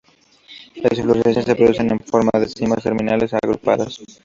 Las inflorescencias se producen en forma de cimas terminales agrupadas.